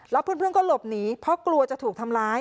แล้วเพื่อนก็หลบหนีเพราะกลัวจะถูกทำร้าย